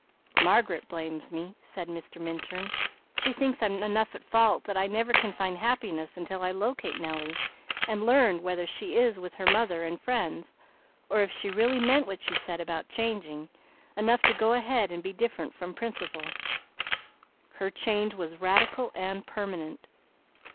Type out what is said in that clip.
"Margaret blames me!" said Mr. Minturn. "She thinks I'm enough at fault that I never can find happiness until I locate Nellie and learn whether she is with her mother and friends, or if she really meant what she said about changing, enough to go ahead and be different from principle." "Her change was radical and permanent."